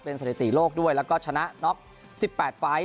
สถิติโลกด้วยแล้วก็ชนะน็อก๑๘ไฟล์